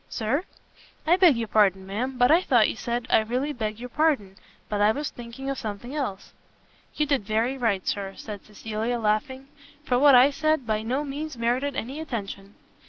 "Sir?" "I beg your pardon, ma'am, but I thought you said I really beg your pardon, but I was thinking of something else." "You did very right, Sir," said Cecilia, laughing, "for what I said by no means merited any attention."